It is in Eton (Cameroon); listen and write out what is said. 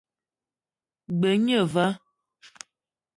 G-beu gne va.